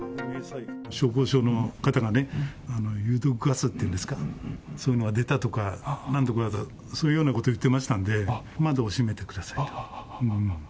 消防署の方がね、有毒ガスっていうんですか、そういうのが出たとか、なんとか、そういうようなことを言ってましたんで、窓を閉めてくださいと。